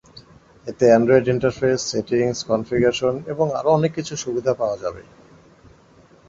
এতে Android interface, settings, configuration এবং আরও অনেক কিছুর সুবিধা পাওয়া যাবে।